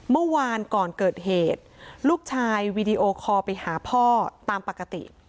เมื่อวานก่อนเกิดเหตุลูกชายวีดีโอคอลไปหาพ่อตามปกติ